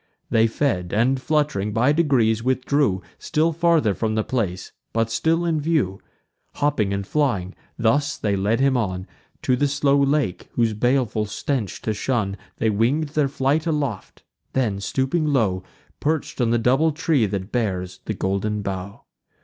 They fed, and, flutt'ring, by degrees withdrew Still farther from the place, but still in view: Hopping and flying, thus they led him on To the slow lake, whose baleful stench to shun They wing'd their flight aloft; then, stooping low, Perch'd on the double tree that bears the golden bough.